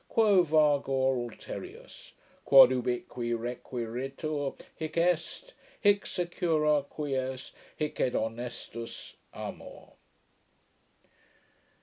Quo vagor ulterius? quod ubique requiritur hic est; Hic secura quies, hic et honestus amor.